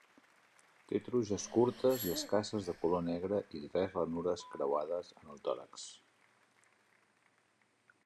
Té truges curtes i escasses de color negre i tres ranures creuades en el tòrax.